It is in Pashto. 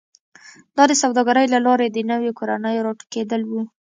دا د سوداګرۍ له لارې د نویو کورنیو راټوکېدل و